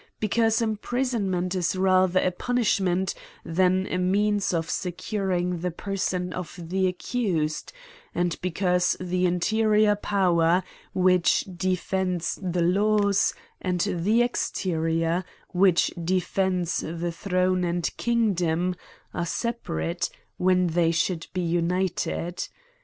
because imprisonment is rather a punishment than a means of securing the person of the accused ; and because the interior power, which defends the laws, and the exterior, which defends the throne and kingdom, are separate, CRIMES AND PUNISHMENTS. Ill when they should be united.